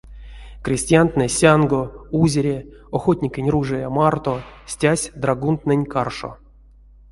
Крестьянтнэ сянго, узере, охотникень ружия марто стясть драгунт-нэнь каршо.